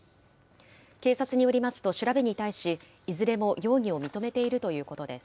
警察によりますと、調べに対し、いずれも容疑を認めているということです。